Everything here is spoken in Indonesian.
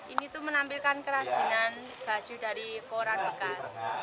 ini tuh menampilkan kerajinan baju dari koran bekas